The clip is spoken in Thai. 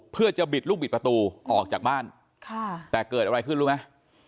เพื่อจะบิดลูกบิดประตูออกจากบ้านแต่เกิดอะไรขึ้นรู้ไหม